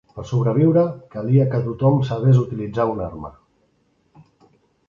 Per sobreviure, calia que tothom sabés utilitzar una arma.